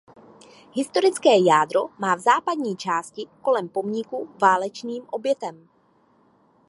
Historické jádro má v západní části kolem pomníku válečným obětem.